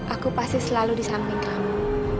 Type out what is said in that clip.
aku pasti selalu di samping kamu